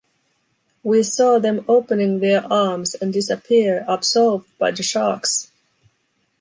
We saw them opening their arms and disappear absorbed by the sharks.